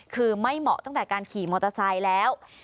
คือไม่เหมาะตั้งแต่การขี่มอเตอร์ไซค์แล้ว